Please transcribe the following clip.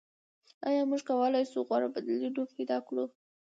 آیا موږ کولای شو غوره بدیلونه پیدا کړو؟